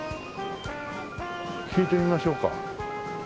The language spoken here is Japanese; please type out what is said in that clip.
聞いてみましょうか。